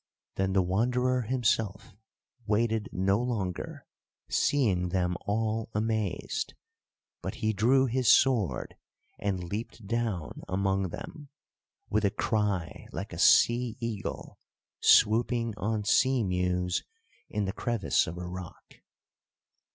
Then the Wanderer himself waited no longer, seeing them all amazed, but he drew his sword and leaped down among them with a cry like a sea eagle swooping on seamews in the crevice of a rock.